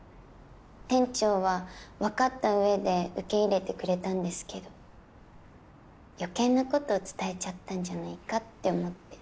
店長は分かった上で受け入れてくれたんですけど余計なこと伝えちゃったんじゃないかって思って。